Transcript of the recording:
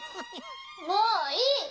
もういい！